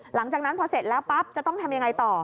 หลังจากนั้นพอเสร็จแล้วปั๊บจะต้องทำยังไงต่อ